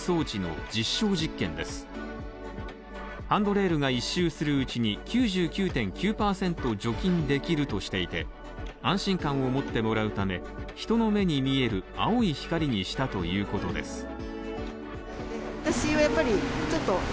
ハンドレールが一周するうちに、９９．９％除菌できるとしていて安心感を持ってもらうため、人の目に見える青い光にしたということです。